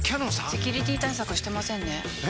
セキュリティ対策してませんねえ！